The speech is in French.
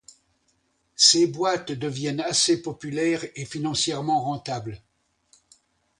Ces boîtes deviennent assez populaires et financièrement rentables.